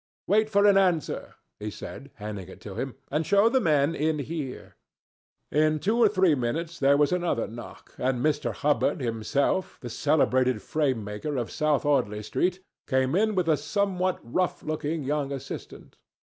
"Wait for an answer," he said, handing it to him, "and show the men in here." In two or three minutes there was another knock, and Mr. Hubbard himself, the celebrated frame maker of South Audley Street, came in with a somewhat rough looking young assistant.